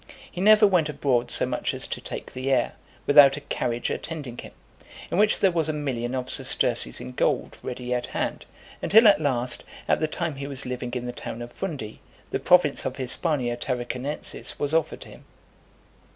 He never went abroad (405) so much as to take the air, without a carriage attending him, in which there was a million of sesterces in gold, ready at hand; until at last, at the time he was living in the town of Fundi, the province of Hispania Tarraconensis was offered him.